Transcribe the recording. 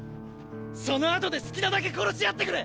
その後で好きなだけ殺し合ってくれ！！